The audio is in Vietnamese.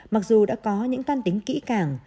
mặc dù đã có những toan tính kỹ càng